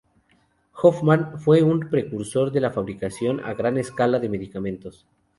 Hoffmann fue un precursor de la fabricación a gran escala de medicamentos.